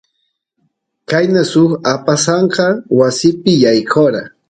qayna suk apasanka wasipi yaykora